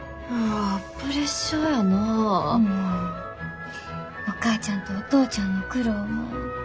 お母ちゃんとお父ちゃんの苦労もよう分かる。